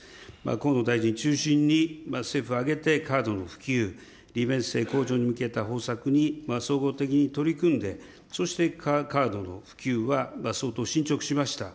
河野大臣中心に政府を挙げてカードの普及、利便性向上に向けた方策に総合的に取り組んでそして、カードの普及は相当進捗しました。